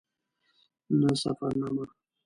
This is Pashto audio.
نه سفرنامه.